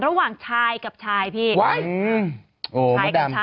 ระหว่างชายกับชายโอ้โหยยยยยมัดดำ